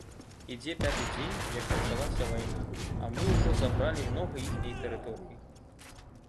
Ідзе пяты дзень, як пачалася вайна, а мы ўжо забралі многа іхняй тэрыторыі.